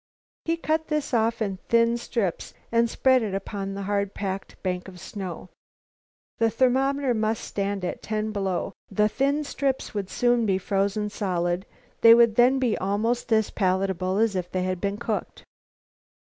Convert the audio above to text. He cut this off in thin strips and spread it upon a hard packed bank of snow. The thermometer must stand at ten below. The thin strips would soon be frozen solid. They would then be almost as palatable as if they had been cooked.